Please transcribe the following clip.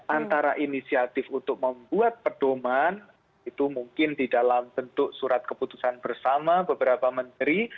antara inisiatif untuk membuat pedoman itu mungkin di dalam bentuk surat keputusan bersama beberapa menteri